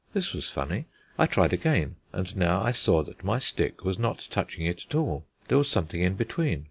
This was funny. I tried again, and now I saw that my stick was not touching it at all; there was something in between.